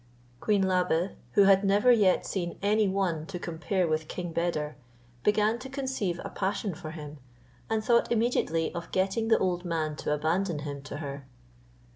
Queen Labe, who had never yet seen any one to compare with King Beder, began to conceive a passion for him, and thought immediately of getting the old man to abandon him to her.